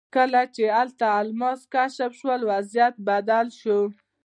کله چې هلته الماس کشف شول وضعیت بدل شو.